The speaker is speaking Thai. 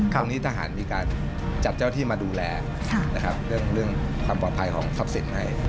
ตรงนี้ทหารมีการจัดเจ้าที่มาดูแลนะครับเรื่องความปลอดภัยของทรัพย์สินให้